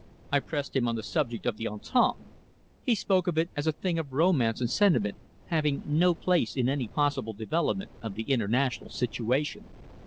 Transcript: I pressed him on the subject of the entente. He spoke of it as a thing of romance and sentiment, having no place in any possible development of the international situation.